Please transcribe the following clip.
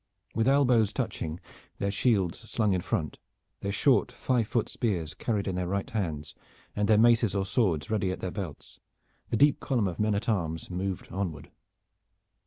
With elbows touching their shields slung in front, their short five foot spears carried in their right hands, and their maces or swords ready at their belts, the deep column of men at arms moved onward.